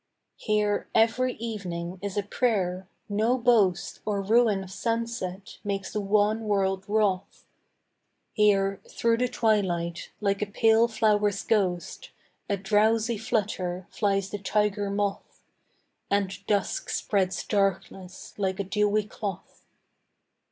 Here every evening is a prayer: no boast Or ruin of sunset makes the wan world wroth; Here, through the twilight, like a pale flower's ghost, A drowsy flutter, flies the tiger moth; And dusk spreads darkness like a dewy cloth.